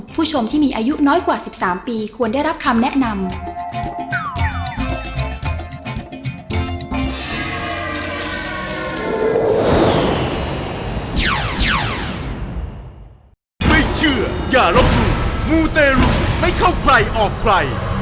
ผู้ชมที่มีอายุน้อยกว่า๑๓ปีควรได้รับคำแนะนำ